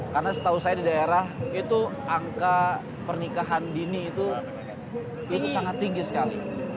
karena setahu saya di daerah itu angka pernikahan dini itu sangat tinggi sekali